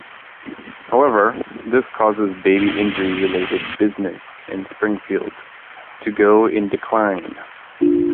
However, this causes the baby-injury-related business in Springfield to go in decline.